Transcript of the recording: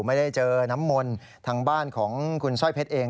ไม่ได้เจอน้ำมนต์ทางบ้านของคุณสร้อยเพชรเอง